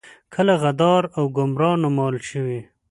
کله غدار او ګمرا نومول شوي.